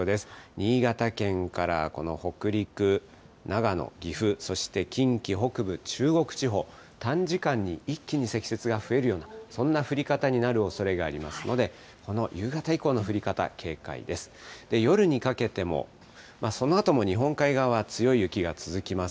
新潟県からこの北陸、長野、岐阜、そして近畿北部、中国地方、短時間に一気に積雪が増えるような、そんな降り方になるおそれがありますので、この夕方以降の降り方、警戒です。